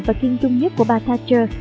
và kiên trung nhất của bà thatcher